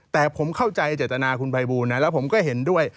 แต่ผมเข้าใจเจตนาคุณภัยบูลนะแล้วผมก็เห็นด้วย